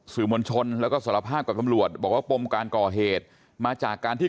มวลชนแล้วก็สารภาพกับตำรวจบอกว่าปมการก่อเหตุมาจากการที่